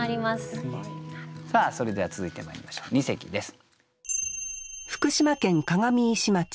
それでは続いてまいりましょう二席です。